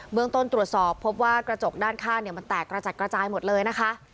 เมืองต้นตรวจสอบพบว่ากระจกด้านข้างมันแตกกระจัดกระจายหมดเลยนะคะ